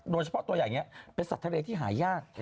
โดยเฉพาะตัวอย่างนี้เป็นสัตว์ทะเลที่หายาก